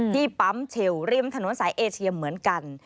ที่ปั๊มเชลริมถนนสายเอเชียเหมือนกัน